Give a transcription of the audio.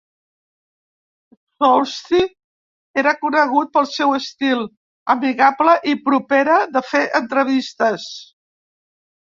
Gzowski era conegut pel seu estil amigable i propera de fer entrevistes.